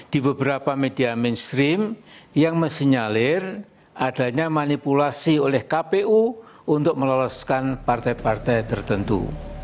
di beberapa media mainstream yang mestinyalir adanya manipulasi oleh kpu untuk meloloskan partai partai tertentu